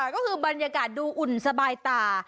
ก็คือบรรยากาศดูอุ่นสบายตา